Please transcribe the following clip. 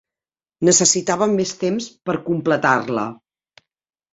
Necessitàvem més temps per completar-la.